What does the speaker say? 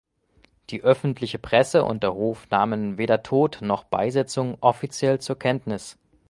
Die öffentliche Presse und der Hof nahmen weder Tod noch Beisetzung offiziell zur Kenntnis.